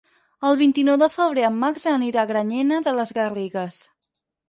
El vint-i-nou de febrer en Max anirà a Granyena de les Garrigues.